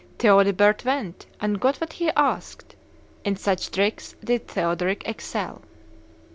Theodebert went, and got what he asked. In such tricks did Theodoric excel."